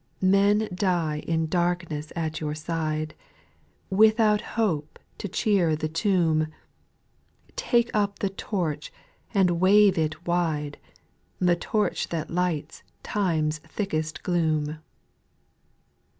5. Men die in darkness at your side, Without a hope to cheer the tomb ; Take up the torch and wave it wide. The torch that lights time's thickest gloom.